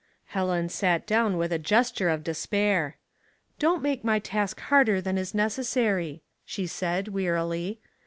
Helen sat down with a gesture of despair. "Don't make my task harder than is neces sary," she said, wearily.